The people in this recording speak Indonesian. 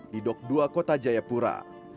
di dok dua kota jayapura